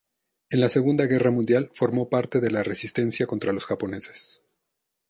En la Segunda Guerra Mundial formó parte de la resistencia contra los japoneses.